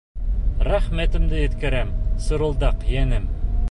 — Рәхмәтемде еткерәм, Сырылдаҡ йәнем!